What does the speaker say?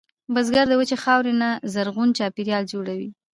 بزګر د وچې خاورې نه زرغون چاپېریال جوړوي